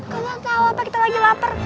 kau gak tahu apa kita lagi lapar